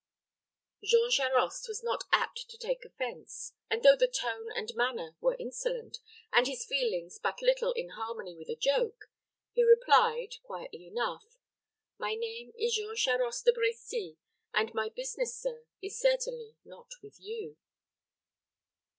Jean Charost was not apt to take offense; and though the tone and manner were insolent, and his feelings but little in harmony with a joke, he replied, quietly enough, "My name is Jean Charost de Brecy, and my business, sir, is certainly not with you."